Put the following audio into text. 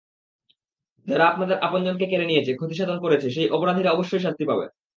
যারা আপনাদের আপনজনকে কেড়ে নিয়েছে, ক্ষতিসাধন করেছে, সেই অপরাধীরা অবশ্যই শাস্তি পাবে।